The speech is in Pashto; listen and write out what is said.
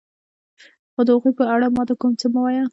خو د هغوی په اړه ما ته کوم څه مه وایه.